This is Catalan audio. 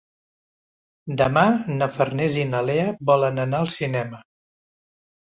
Demà na Farners i na Lea volen anar al cinema.